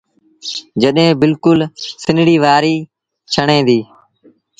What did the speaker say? جڏهيݩ بلڪُل سنڙيٚ وآريٚ ڇڻي ديٚ۔